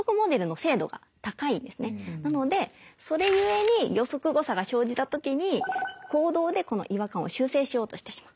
なのでそれゆえに予測誤差が生じた時に行動で違和感を修正しようとしてしまう。